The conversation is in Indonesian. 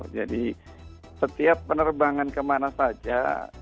jadi setiap penerbangan kemana saja